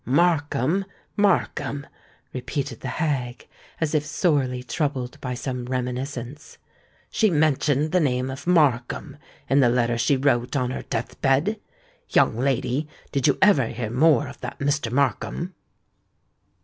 "Markham—Markham!" repeated the hag, as if sorely troubled by some reminiscence; "she mentioned the name of Markham in the letter she wrote on her death bed? Young lady, did you ever hear more of that Mr. Markham?"